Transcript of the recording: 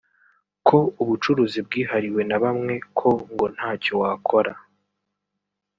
ko ubucuruzi bwihariwe na bamwe ko ngo ntacyo wakora